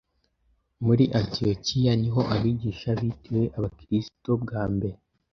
Muri Antiyokiya niho abigishwa bitiwe Abakirisito bwa mbere.